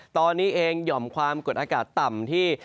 ตอนนี้เองหย่อมความกดอากาศต่ำที่